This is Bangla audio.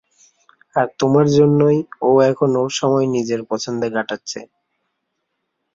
আর তোমার জন্যই, ও এখন ওর সময় নিজের পছন্দে কাটাচ্ছে।